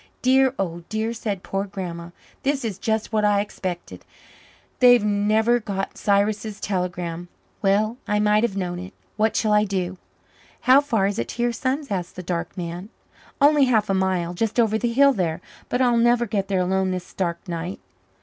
"Dear, oh dear," said poor Grandma. "This is just what I expected. They've never got Cyrus's telegram. Well, I might have known it. What shall I do?" "How far is it to your son's?" asked the dark man. "Only half a mile just over the hill there. But I'll never get there alone this dark night."